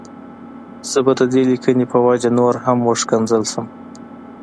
زه به د دې ليکنې په وجه نور هم وشکنځل شم.